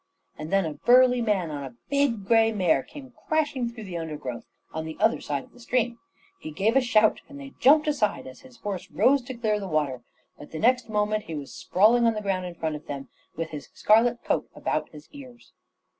And then a burly man on a big grey mare came crashing through the undergrowth on the other side of the stream. He gave a shout, and they jumped aside as his horse rose to clear the water; but the next moment he was sprawling on the ground in front of them, with his scarlet coat about his ears.